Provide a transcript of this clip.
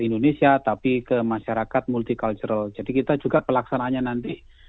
indonesia tapi ke masyarakat multi cultural jadi kita juga pelaksanaannya nanti